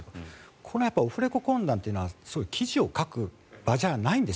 このオフレコ懇談というのは記事を書く場じゃないんです